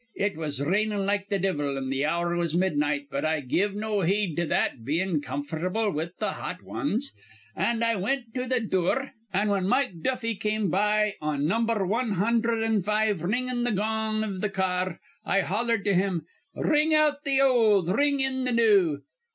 (It was rainin' like th' divvle, an' th' hour was midnight; but I give no heed to that, bein' comfortable with th' hot wans.) An' I wint to th' dure, an', whin Mike Duffy come by on number wan hundherd an' five, ringin' th' gong iv th' ca ar, I hollered to him: 'Ring out th' old, ring in th' new.'